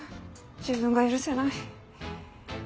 自分が許せない。